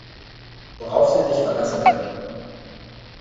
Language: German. Worauf Sie sich verlassen können.